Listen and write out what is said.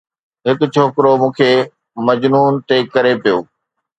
هڪ ڇوڪرو، مون کي مجنون تي ڪري پيو